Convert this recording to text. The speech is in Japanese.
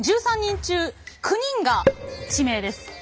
１３人中９人が地名です。